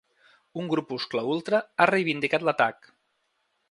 Un grupuscle ultra ha reivindicat l'atac.